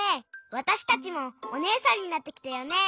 わたしたちもおねえさんになってきたよね。